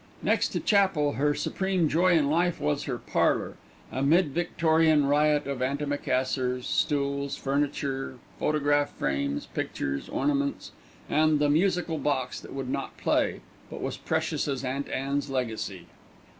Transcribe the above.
Next to chapel her supreme joy in life was her parlour, a mid Victorian riot of antimacassars, stools, furniture, photograph frames, pictures, ornaments, and the musical box that would not play, but was precious as Aunt Anne's legacy.